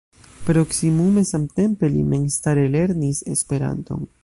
Proksimume samtempe li memstare lernis Esperanton.